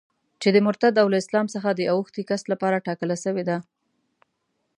چي د مرتد او له اسلام څخه د اوښتي کس لپاره ټاکله سوې ده.